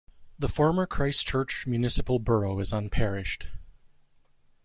The former Christchurch Municipal Borough is unparished.